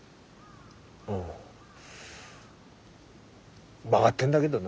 ああ分がってんだげどな。